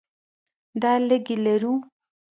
دا لږې لرو.